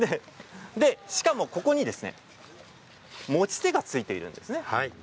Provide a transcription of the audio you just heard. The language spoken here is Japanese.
しかも、ここに持ち手がついています。